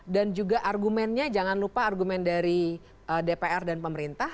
dan juga argumennya jangan lupa argumen dari dpr dan pemerintah